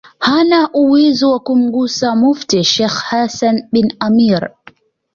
hana uwezo wa kumgusa Mufti Sheikh Hassan bin Amir